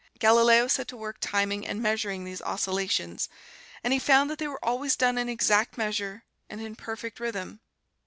Galileo set to work timing and measuring these oscillations, and he found that they were always done in exact measure and in perfect rhythm.